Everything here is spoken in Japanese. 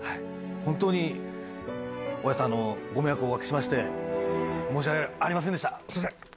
本当に大家さん、ご迷惑をおかけしまして、申し訳ありませんでした。